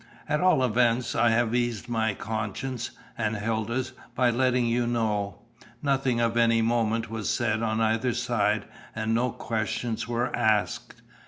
At all events, I have eased my conscience, and Hilda's, by letting you know. Nothing of any moment was said on either side, and no questions were asked.